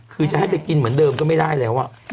คือจะให้ไปกินเหมือนเดิมก็ไม่ได้แล้ว